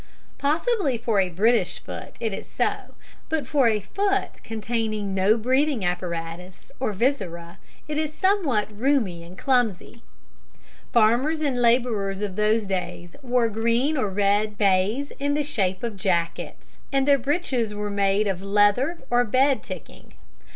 Possibly for a British foot it is so, but for a foot containing no breathing apparatus or viscera it is somewhat roomy and clumsy. [Illustration: CAUGHT BY FRANKLIN READING POSTAL CARDS.] Farmers and laborers of those days wore green or red baize in the shape of jackets, and their breeches were made of leather or bed ticking.